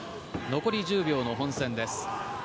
残り１０秒の本戦です。